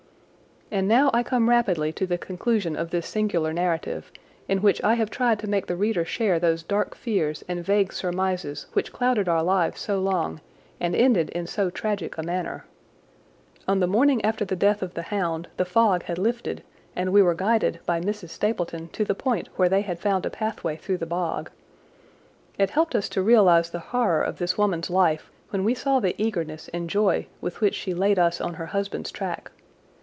And now I come rapidly to the conclusion of this singular narrative, in which I have tried to make the reader share those dark fears and vague surmises which clouded our lives so long and ended in so tragic a manner. On the morning after the death of the hound the fog had lifted and we were guided by Mrs. Stapleton to the point where they had found a pathway through the bog. It helped us to realise the horror of this woman's life when we saw the eagerness and joy with which she laid us on her husband's track.